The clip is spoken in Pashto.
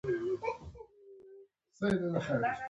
دې محدودې ودې ګټه یوازې لومړي پاړکي ته رسېده.